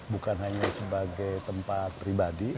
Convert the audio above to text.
bukan hanya sebagai tempat pribadi